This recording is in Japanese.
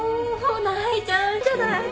泣いちゃうんじゃない？